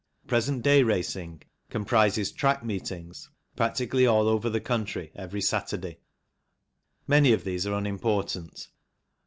Present day racing comprises track meetings, practi cally all over the country, every Saturday. Many of these are unimportant.